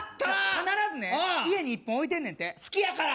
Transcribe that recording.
必ずね家に１本置いてんねんて好きやから？